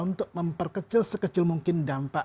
untuk memperkecil sekecil mungkin dampak